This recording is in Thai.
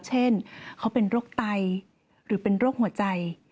เช่นเขาเป็นโรคไตหรือเป็นโรคหัวใจ